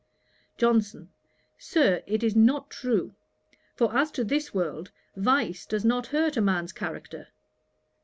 JOHNSON. 'Sir, it is not true: for as to this world vice does not hurt a man's character.'